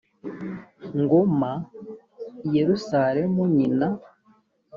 ngoma i yerusalemu nyina